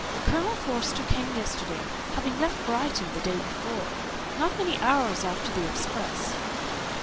Colonel Forster came yesterday, having left Brighton the day before, not many hours after the express.